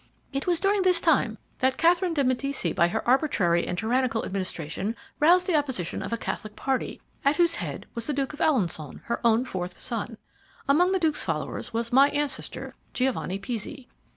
It was during this time that Catherine de Medici by her arbitrary and tyrannical administration roused the opposition of a Catholic party, at whose head was the Duke of Alençon, her own fourth son. Among the Duke's followers was my ancestor, Giovanni Pizzi.